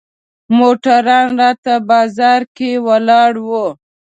موټروان راته بازار کې ولاړ و.